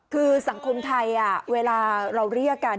คือสังคมไทยเวลาเราเรียกกัน